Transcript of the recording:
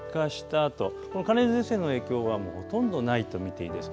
あとこの寒冷前線の影響はもうほとんどないと見ていいです。